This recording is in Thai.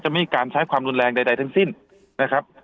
ไม่มีการใช้ความรุนแรงใดทั้งสิ้นนะครับ